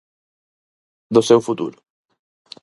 Do seu futuro.